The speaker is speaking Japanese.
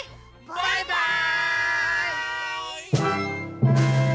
バイバーイ！